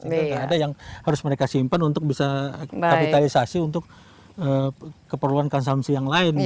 tidak ada yang harus mereka simpan untuk bisa kapitalisasi untuk keperluan konsumsi yang lain